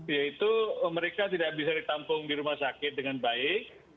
yaitu mereka tidak bisa ditampung di rumah sakit dengan baik